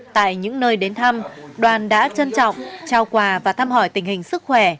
tại những nơi đến thăm đoàn đã trân trọng trao quà và thăm hỏi tình hình sức khỏe